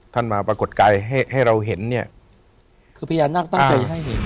มาปรากฏกายให้ให้เราเห็นเนี่ยคือพญานาคตั้งใจให้เห็น